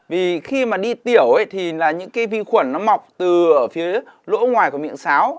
vì khi đi tiểu thì những vi khuẩn mọc từ lỗ ngoài miệng sáo